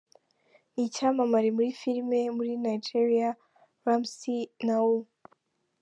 nicyamamare muri filimi muri Nigeriya, Ramsey Nouh.